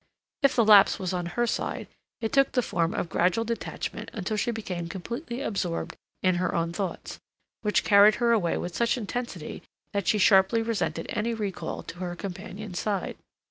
If the lapse was on her side it took the form of gradual detachment until she became completely absorbed in her own thoughts, which carried her away with such intensity that she sharply resented any recall to her companion's side.